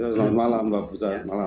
selamat malam mbak